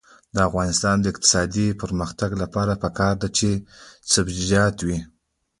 د افغانستان د اقتصادي پرمختګ لپاره پکار ده چې سبزیجات وي.